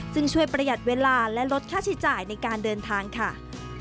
ซึ่งช่วยประหยัดเวลาและลดค่าใช้จ่ายในการเดินทางค่ะ